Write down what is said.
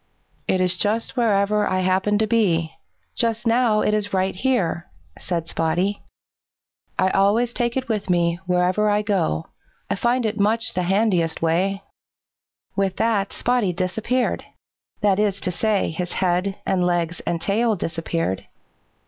"It is just wherever I happen to be. Just now it is right here," said Spotty. "I always take it with me wherever I go; I find it much the handiest way." [Illustration: "Hi, Spotty!" he shouted. "Where do you live?"] With that Spotty disappeared. That is to say, his head and legs and tail disappeared.